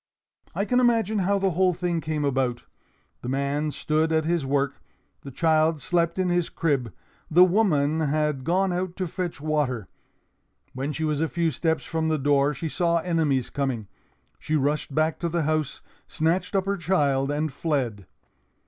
"I can imagine how the whole thing came about. The man stood at his work; the child slept in his crib; the woman had gone out to fetch water. When she was a few steps from the door, she saw enemies coming. She rushed back to the house, snatched up her child, and fled.